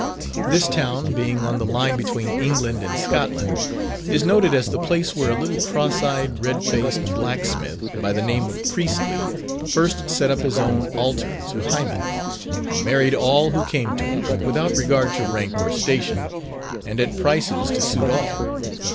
This town being on the line between England and Scotland, is noted as the place where a little cross eyed, red faced blacksmith, by the name of Priestly, first set up his own altar to Hymen, and married all who came to him, without regard to rank or station, and at prices to suit all.